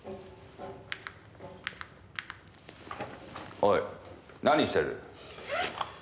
おい何してる。